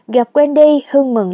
gặp wendy hương mừng